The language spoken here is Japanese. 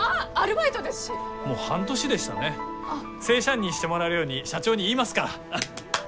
正社員にしてもらえるように社長に言いますから。